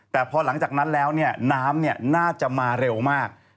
แต่พอหลังจากนั้นแล้วน้ำน่าจะมาเร็วมาก